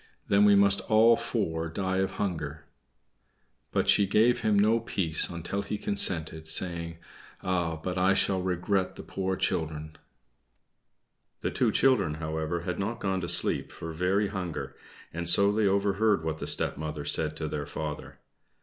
"Then we must all four die of hunger." But she gave him no peace until he consented, saying, "Ah, but I shall regret the poor children." The two children, however, had not gone to sleep for very hunger, and so they overheard what the stepmother said to their father.